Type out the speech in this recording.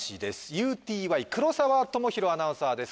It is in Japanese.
ＵＴＹ黒澤知弘アナウンサーです